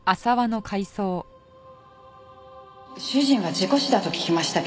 主人は事故死だと聞きましたけど。